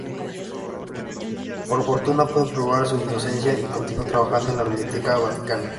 Por fortuna, pudo probar su inocencia y continuó trabajando en la Biblioteca Vaticana.